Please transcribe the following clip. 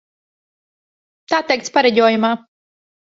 Tā teikts pareģojumā.